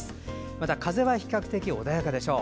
また、風は比較的穏やかでしょう。